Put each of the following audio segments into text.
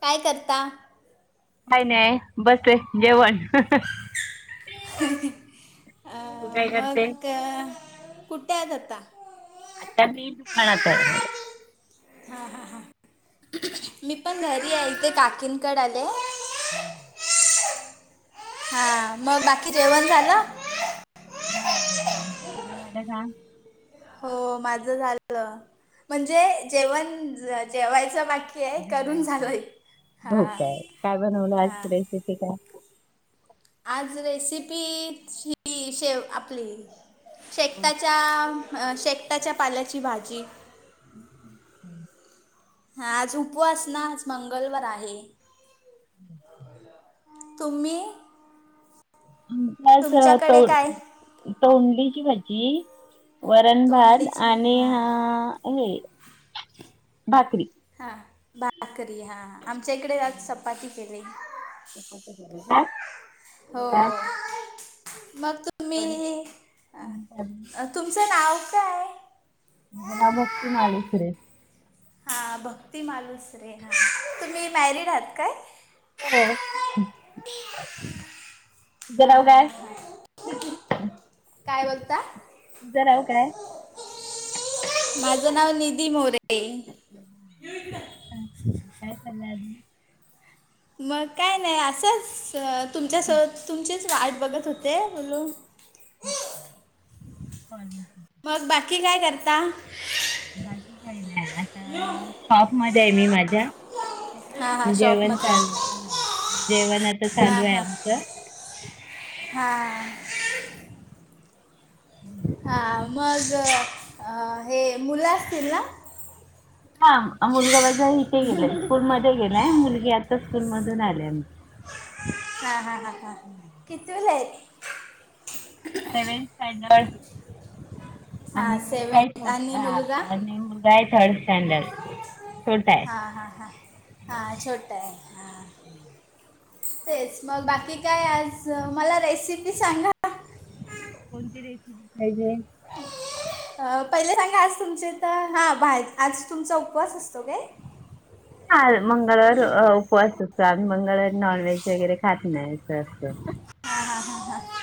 काय करता. काय नाही बसत जेवण. काय मग करते कुट्या जाता. अता मी दुका आात आहेणार. हा ह ह मी पण घरी आहे इथे काकीनकड आले य. हम् [unintelligible] हा मग बाकी जेवण झालं झालं जेवण तूझ झालंय का हो माझ झालं म्हणजे जेवण जेवायचं बाकी आहे करून झालंय हो हां काय काय बनवलं हां आजची रेसिपी ला आज रेसिपी ही शेव आपली शेकताच्या शेकताच्या पाल्याची भाजी हम् [unintelligible] हा आज उपवास ना आज मंगलवार आहे ब [unintelligible] तुम्ही आज तो तुमच्याकडे काय तोंडलीची भाजी वरणभात तोंडलीच आणि हां हा हे भाकरी हा भाकरी हा आमच्या इकडे आज चपाती केली असं केलं हो का? मग तर तुम्ही तुमचं नाव काय? माझं नाव भक्ती मालुसरे हा भक्ती मालुसरे हा तुम्ही मॅरिड आहात काय हो तूझ नाव काय क [unintelligible] काय बगता काय माझं नाव निधी मोरे हा कराल्यास मग काय नाही असंच तुमच्यासोबत तुमचीच वाट बघत होते बोलून पा [unintelligible] मग बाकी काय करता बाकी काही नाही आता शॉप मध्ये आहे मी माझ्या हां हां जेवण शॉपमध्ये चालूय जेवण आता चालू आहे आमचं. हा हा. मग हे मुलं असतील ना? हा मुलगा माझा इथे गेलाय स्कूल मध्ये गेलाय मुलगी आता स्कूल मधून आलेय. हा हा हा हा कितवीला आहे ती? सेवंथ स्टैंडर्ड हां आणि काहीच सेवन्थ आणि [unintelligible] मुलगा आणि मुलगा आहे थर्ड स्टँडर्ड. छोटाय. हा हा हा. हा छोटाय हा. तेच मग बाकी काय आज मला रेसिपी सांगा कोणती रेसिपी पाहिजे? अ पहिले सांगा आज तुमच्या हित हा बाहे आज तुमचा उपवास असतो काय? ह मंगळवार उपवास असतो आम्ही मंगळवारी नॉन वव्हेज वगैरे खात नाही असं असं. हा हा हा ह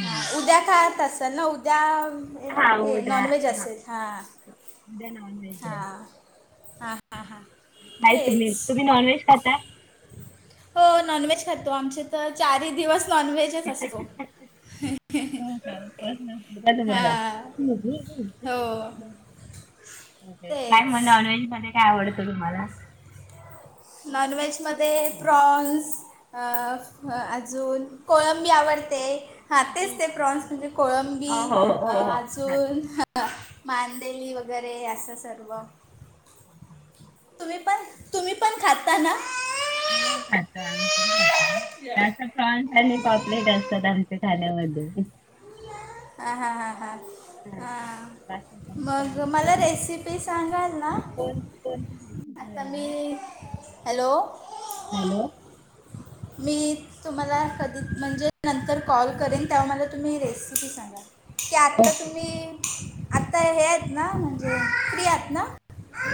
हा उद्या खात असल ना उद्या ए हा ते उद्या नॉन व्हेज हा असेल हां. [inaudible] [unintelligible] हा हा हा हा नाही तेच तुम्ही तुम्ही नॉनव्हेज खाता? हो नॉनव्हेज खातो आमच्यात तर चारही दिवस नॉनव्हेजच असतो. हो का उपवास नसतील का तुम्हाला? हां हो [unintelligible] काय मग तेच नॉनव्हेज मध्ये काय आवडतं तुम्हाला? नॉनव्हेजमध्ये प्रॉन्स. अ अ अजून कोळंबी आवडते. हा तेच ते प्रॉन्स म्हणजे हो कोळंबी हो हो हो खातो. अजून मांदेली वगैरे असं सर्व. तुम्ही पण, तुम्ही पण खाता ना? हो खातो आम्ही पण खातो हं. जास्त फ्रान्स आणि पापलेट असतात आमच्या खाण्यामध्ये. अ हा हा हं हा बाकी काय मग चाललंय? मला रेसिपी पी सांगाल ना, कोण कोणती रेसिपी आता मी, पाहिजे? हॅलो. हॅलो. मी तुम्हाला कधी म्हणजे नंतर कॉल करेन तेव्हा मला तुम्ही रेसिपी सांगा. की आत्ता ओके. तुम्ही आत्ता हे आहेत ना म्हणजे फ्री आहेत ना?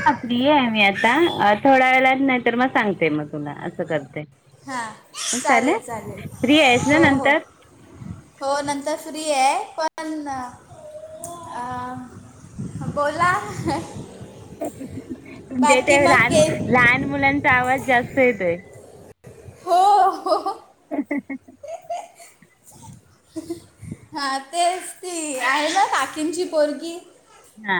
हा फ्री आहे मी आता थोडा वेळात नाही तर मग सांगते मग तुला असं करते. हा चालेल चालेल फ्री आहेस ना हो हो. नंतर? हो नंतर फ्री आहे पण अ बोला. म्हणजे ते बाकी मग लहान के लहान मुलांचा आवाज जास्त येतोय. हो हो हा तेच की आहे ना काकींची पोरगी हा.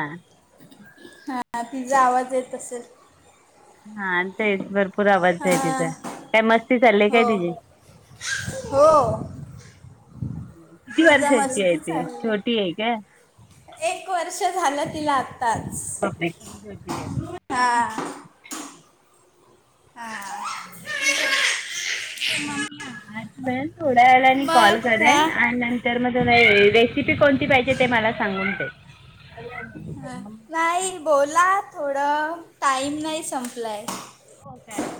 हा तिचा आवाज येत असेल. हा तेच भरपूर आवाज आहे हां तिचा काय मस्ती चाललीय काय हो तिझी? हो. किती तिचा वर्षाची आहे मस्ती ती, चालली छोटी आहे काय? एक वर्ष झालं तिला आत्ताच, बापरे खूप छोटी आहे हा. हा. [unintelligible] थोड्या वेळानी मग कॉल का करेन आणि नं तर म ते रेसिपी कोणती पाहिजे ते मला सांगून ठेव. नाही बोला थोडं टाईम नाही संपलाय. हो काय.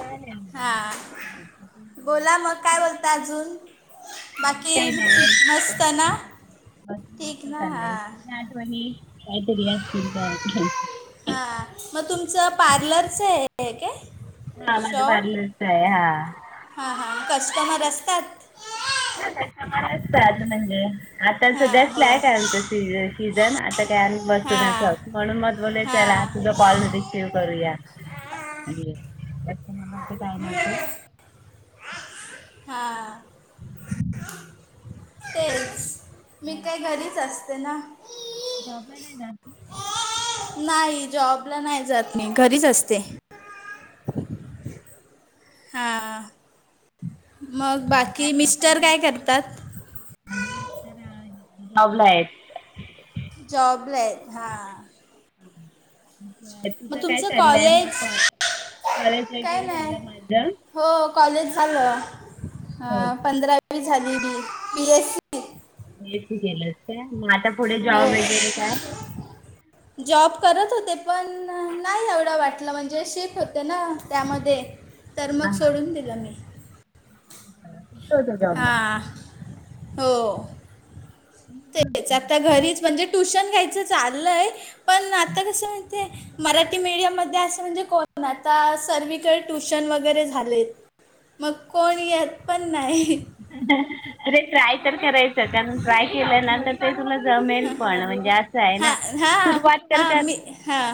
चालेल हा, बोला मग काय बोलत अजून. बाकी काय नाही मस्त बस ना, ठीक मस्त ना, हा चाललंय जुन्या आठवणी काहीतरी असतील तर. हा मग तुमचं पार्लरच आहे का? हा माझ पार्लर च आहे. हा हा, हां, कस्टमर असतात? च आज म्हणजे आता हां हो सध्याचलॅय काय [unintelligible] सीझन, आता काय आम्ही बसूनच हां आहोत म्हणून म बोल चला हां कॉल न ठव करूया म्हणजे मला ते काय नव्हतं [unintelligible] हा. तेच, मी काय घरीच असते ना. ज प नाही जाात [unintelligible] नाही, जॉबला नाही जात मी घरीच असते. हां, मग बाकी मिस्टर काय करतात? आणि तर लावलं आहेत [unintelligible] जॉबला आहेत. हा - हम् [inaudible] तुझं काय तुमचं चाललंय कॉलेज मग, कॉलेज काय वगैरे नाही झालं माझ हो कॉलेज झालं. हो का पंधरावी झाली. B S C B S C केलं काय, मग आता पुढे हो. जॉब वगैरे काय हां जॉब करत होते पण, नाही एवढं वाटलं म्हणजे शिफ्ट होते ना त्यामध्ये. तर मग हां सोडून दिला मी. कुठं होता जॉबला हां हो. तेच आता घरीच म्हणजे ट्युशन घ्यायचं चाललंय पण आता कस म्हाही ते मराठी मीडियम मध्ये असं म्हणजे कोण आता सर्वीकडे ट्युशन वगैरे झालेत. मग कोण यत पण नाही. [unintelligible] अरे ट्राय तर करायचं कारण ट्राय केल ना ते तुला जमेल पण म्हणजे असय ना हां हां सुरुवात तर हां कर. मी हां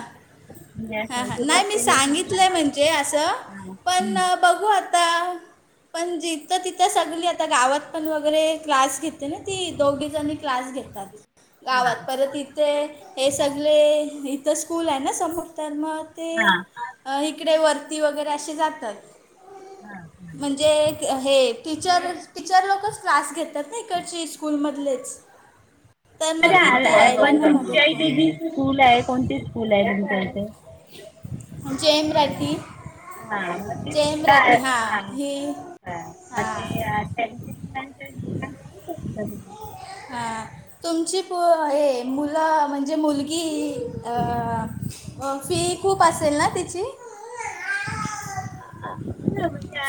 हां हां सुरुवात नाही मी केली सांगितलंय म्हणजे असं हा पण हम्म. बघू आता. पण जिथं तिथं सगळी आता गावात पण वगैरे क्लास घेते ना ती दोघी जनी. क्लास घेतात. हा. गावात परत इथे हे सगले इथं स्कूल आहे ना समोर तर मग ते हा इकडे वरती वगैरे असे जातात म्हणजे हे टीचर टीचर लोकच क्लास घेतात ना इकडचे स्कूल मधलेच. अरे आ पण तुमच्या मागत इथे कोण जी स्कूल आहे कोणती स्कूल आहे तुमच्या इथे. जेमराटी. हे [unintelligible] हां [inaudible] हा. तुमची पो हे मुलं म्हणजे मुलगी अ अ फी खूप असेल ना तिची.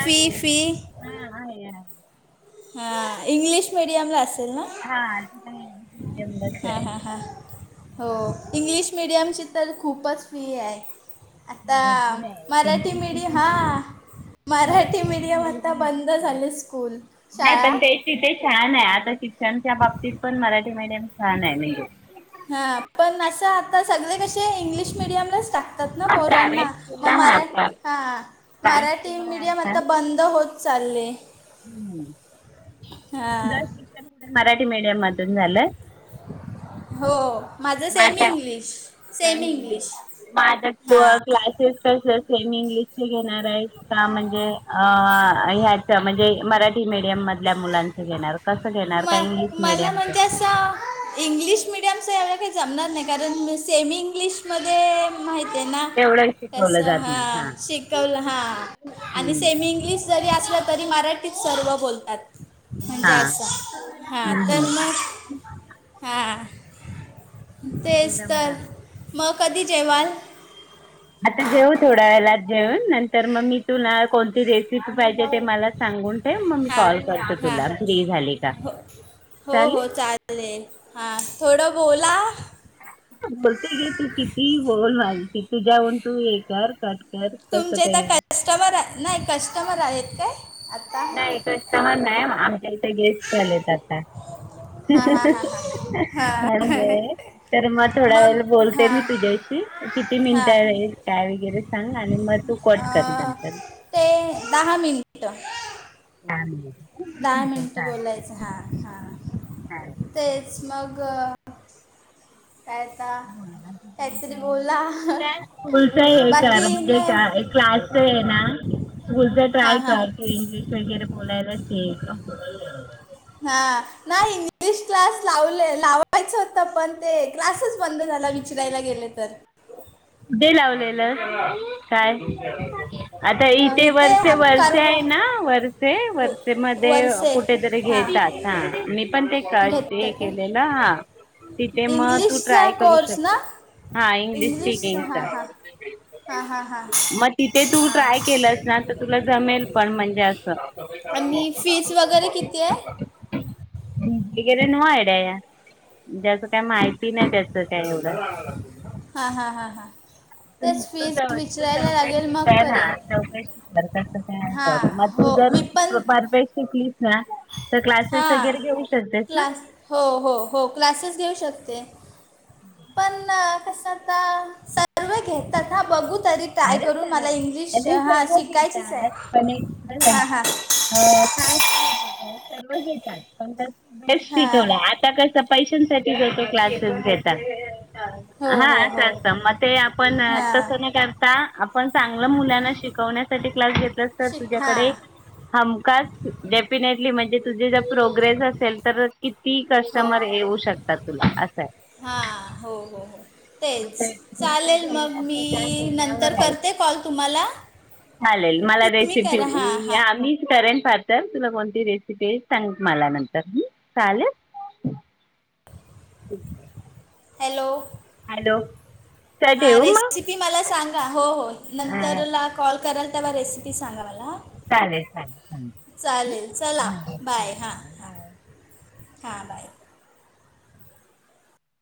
फी फी हा इंग्लीश मिडीयमला असेल. हा असेल ना हा हा. हो इंग्लिश मिडियमची तर खूपच फी आहे. आता मराठी मीडि हा. मराठी मिडियम आता बंद झाले स्कूल. नाही पण शाळा ते तिथे छान आहे आता शिक्षणच्या बाबतीत पण मराठी मीडियम छान आहे. हा पण असं आता सगळे कसे इंग्लिश मिडियमलाच टाक. यात ना हा पोरांना प्रायव्हेट मग स्कूलला हा मरा प्रायव्हेट हा प्रायव्हेट मराठी स्कूल आहे मिडियम आता बंद होत चाले. ह तुझ शिक्षण पण मराठी मीडियम मधून झालंय. हो. [inaudible] माझं [unintelligible] सेमी इंग्लिश सेमी इंग्लिश मा हां क्लासेस तसच सेमी इंग्लिश बी घेणाराय का म्हणजे अ ह्याच्या म्हणजे मराठी मीडियम मधल्या मुलांचं घेणार कसं घेणार काय इंग्लिश मीडियमच आता इंग्लिश मिडियमचा याला काही जमणार नाही कारणी सेम इंग्लिशमध्ये माहती आहे ना तेवढं तस शिकवलं जात नाही हा हां शिकवलं हा आणि सेमी इंग्लिश जरी असलं तरी मराठीत सर्व बोलतात म्हणजे असं हां तर मग हां. मग ते तेच तर जमणार नाही. मग कधी जेवाल? आता जेऊ थोड्या वेलाात जेऊन नंतर मग मी तुला कोणती रेसिपी पाहिजे ते मला सांगून ते मग मी हां कॉल करतो हां तुला फ्री झाली का चालेल? [inaudible] हा थोडं बोला. बोलते गे तू किती बोल मालते तुझ्यावरून तू हे कर. कर कसं तुमचेइता काही कस्टमर आहे नाही कस्टमर आहेत काय आता? नाही कस्टमर नाही आमच्या इथे गेस्ट आलेतल आता. हा हा हा हा [unintelligible] हा म्हणून तर मग थोड्या वेळ बोलते मी तुझ्याशी. किती हा मिनिटंल काय वगैरे सांग आणि मग तू कट कर अं, नंतर. ते दहा मिनिट. [inaudible] दहा मिनिटं बोलायचं हा हा हां तेच मग काय आता बो आ काहीतरी बोला तुला स्कूलच आहे कर बाकी म्हणजे नाही क्लासच आहे ना बुलता हा ट्राय हा कर तू इंग्लिश वगैरे बोलायलाच ये हा नाही इंग्लिश क्लास लावले लावायचं होतं पण ते क्लासच बंद झाला वि चिरायला गेले तर दे लावलेलं काय आता अं, इथे वर्ष आप- वर्ष कारव आहे ना वर ते व- वर्षमध्ये वरसे कुठेतरी हां घेतात हा पण ते का ते घेतात केलेलं हा तिथे मग तू इंग्लिशचा ट्राय करू शकते हा इंग्लिश स्पकिंग अच्छ हां हां हां हां हां मग तिथे तू ट्राय केलंस ना तर तुला जमेल पण म्हणजे असं आणि फीज वगैरे किती आहे भिकर नुवा एड्या या ज्याच काय माहिती नाही त्याचं काय एवढं हा हा हा हा तू तू च तू चौकशी लागेल मग शिक हा करेन चौकशी शिक कस हां ह म तु हो जर मी पण परर्फेक्ट शिकली ना तर क्लासेस हां वगैरे घेऊ शकतेस ना क्लास हो हो हो क्लासेस घेऊ शकते पण कस सर् घ तथा बघु तरी ट्राय अरे करून सर्व मला इंग्लिश अरे हा सर्व शिकायचीच घेतात पण एक तुला आहे हां सांगते हां अ काय मा का सर्व घेतात पणे हां शिकव त्या कस पैशांसाठी ज तो क्लासेस घेता हो हा हो हो असं असत मग ते आपण हां तसं नाही काय आता आपण चांगल्या मुलांना शिकवण्यासाठी क्लास घेतला तर शिक हां तुझ्याकडे हमखच डेफिनेटली म्हणजे तुझी जर प्रोग्रेस असेल तर किती कस्टमर येऊ शकतात तुला असं आहे हा हो हो हो तेच चालेल मग मी नंतर करते कॉल तुम्हाला चालेल मला तुम्ही रेसिपी करा हां हां मीच करेन पाते तर तुला कोणती रेसिपी आहे सांग मला नंतर चालेल ठीक आहे हॅलो चल हा ठेवू मग रेसिपी मला सांगा हो हो नंतर कॉल कराल तेव्हा रेसिपी सांगा मला चालेल चालेल चालेल चला चा ठी बाय हां आहे हां बाय हां बाय